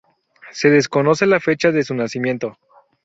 Se desconoce la fecha de su nacimiento.